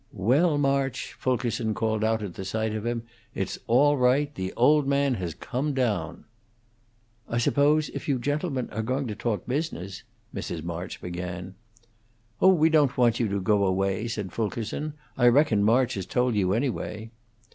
"Well, March," Fulkerson called out at sight of him, "it's all right! The old man has come down." "I suppose if you gentlemen are going to talk business " Mrs. March began. "Oh, we don't want you to go away," said Fulkerson. "I reckon March has told you, anyway."